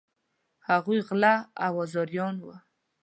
هغوی غله او آزاریان وه.